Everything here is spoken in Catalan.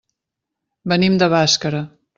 Venim de Bàscara.